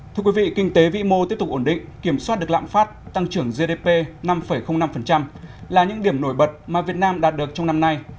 thưa quý vị kinh tế vĩ mô tiếp tục ổn định kiểm soát được lạm phát tăng trưởng gdp năm năm là những điểm nổi bật mà việt nam đạt được trong năm nay